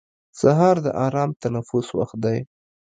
سهار د ارام تنفس وخت دی.